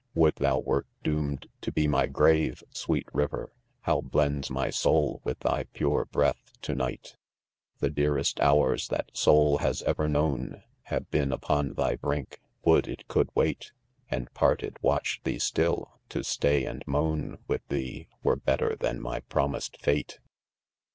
Would thou wept doomed to be my grave, sweet rivers How blends my soul with thy pure breath to ■night The dearest hours that soul has ever known, Have been upon thy brink ; would it could wait— And, parted, watch thee' still ;— to stay and moan With thee, were better than my promised fate.